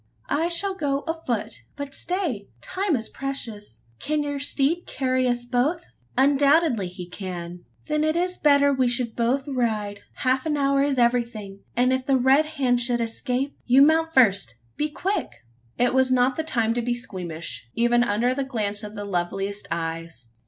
"I shall go afoot. But stay! time is precious. Can your steed carry us both?" "Undoubtedly he can." "Then it is better we should both ride. Half an hour is everything; and if the Red Hand should escape You mount first be quick!" It was not the time to be squeamish even under the glance of the loveliest eyes.